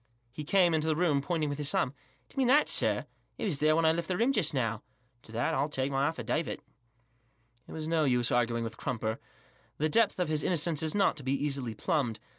He came into the room, pointing with his thumb, " Do you mean that, sir ? It wasn't there when I left the room just now ; to that I'll take my affidavit," It is no use arguing with Crumper, The depth of his innocence is not to be easily plumbed.